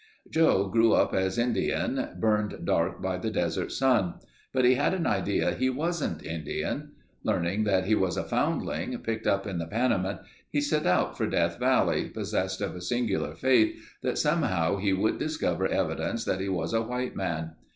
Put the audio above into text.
Joe grew up as Indian, burned dark by the desert sun. But he had an idea he wasn't Indian. Learning that he was a foundling, picked up in the Panamint, he set out for Death Valley, possessed of a singular faith that somehow he would discover evidence that he was a white man.